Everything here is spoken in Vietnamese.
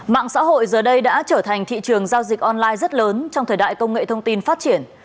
mạng xã hội giờ đây đã trở thành thị trường giao dịch online rất lớn trong thời đại công nghệ thông tin phát triển